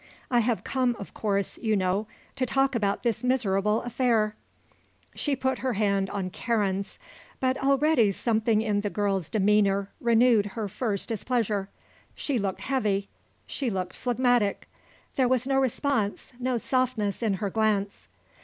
I have come, of course you know, to talk about this miserable affair." She put her hand on Karen's; but already something in the girl's demeanour renewed her first displeasure. She looked heavy, she looked phlegmatic; there was no response, no softness in her glance.